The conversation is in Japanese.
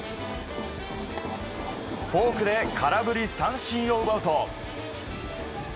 フォークで空振り三振を奪うと。